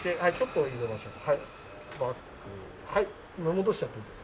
戻しちゃっていいですよ。